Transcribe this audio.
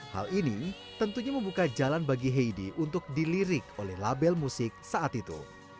hal ini tentunya membuka jalan bagi heidi untuk dilirik oleh label musik saat itu